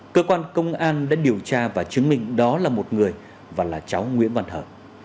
cơ quan công an đã điều tra và chứng minh đó là một người và là cháu nguyễn văn thở